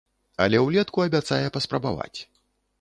Але ўлетку абяцае паспрабаваць.